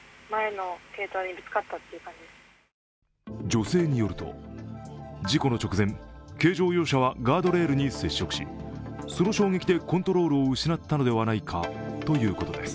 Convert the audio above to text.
女性によると、事故の直前軽乗用車はガードレールに接触しその衝撃でコントロールを失ったのではないかということです。